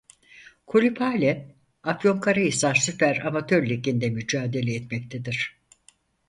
Kulüp halen Afyonkarahisar Süper Amatör Ligi'nde mücadele etmektedir.